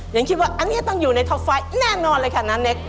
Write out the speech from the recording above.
ยังคิดว่าอันนี้ต้องอยู่ในท็อปไฟต์แน่นอนเลยค่ะน้าเน็ก